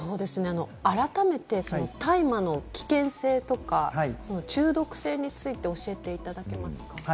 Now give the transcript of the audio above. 改めて大麻の危険性とか中毒性について教えていただけますか？